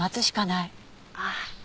ああ。